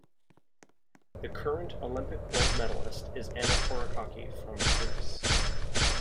The current Olympic Gold Medallist is Anna Korakaki from Greece.